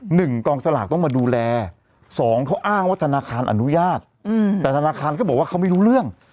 หนึ่งกองสลากต้องมาดูแลสองเขาอ้างว่าธนาคารอนุญาตอืมแต่ธนาคารก็บอกว่าเขาไม่รู้เรื่อง